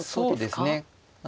そうですね。